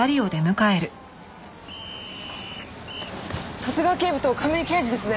十津川警部と亀井刑事ですね。